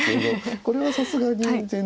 これはさすがに全然。